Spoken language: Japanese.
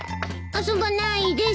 遊ばないです。